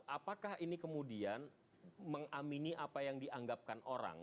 apakah ini kemudian mengamini apa yang dianggapkan orang